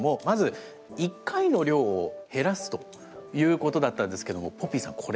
まず１回の量を減らすということだったんですけどもポピーさん